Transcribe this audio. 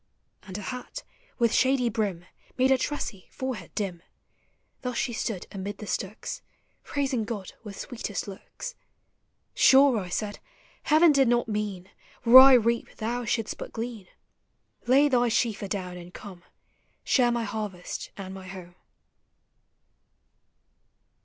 And her hat. with shady brim. Made her tressy forehead dim; — 220 POEMS OF HOME. Thus she stood amid the stooks. Praising Clod with sweetest looks. Sure, I said, Heaven did not mean Where I reap thou shouldst but glean; Lay thy sheaf adown and come, Share my harvest and my home.